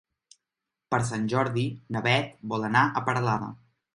Per Sant Jordi na Beth vol anar a Peralada.